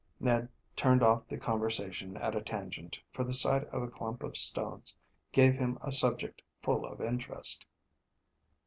Ned turned off the conversation at a tangent, for the sight of a clump of stones gave him a subject full of interest.